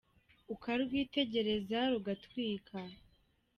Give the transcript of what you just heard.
Ukarwitegereza rugatwika